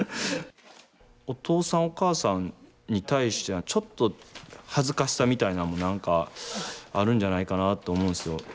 お父さんお母さんに対してはちょっと恥ずかしさみたいなんも何かあるんじゃないかなと思うんですよ。